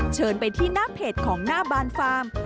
เชิญไปที่หน้าเพจของหน้าบานฟาร์ม